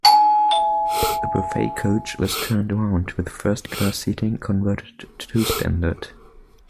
The buffet coach was turned around with first class seating converted to standard.